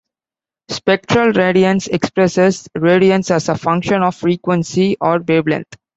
Spectral radiance expresses radiance as a function of frequency or wavelength.